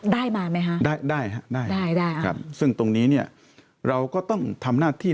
ได้มาไหมครับได้ครับซึ่งตรงนี้เราก็ต้องทำหน้าที่